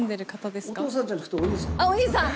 お兄さん！